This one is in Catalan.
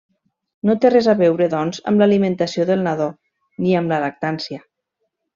No té res a veure doncs amb l'alimentació del nadó ni amb la lactància.